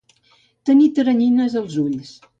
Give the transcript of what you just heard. Tenir teranyines als ulls.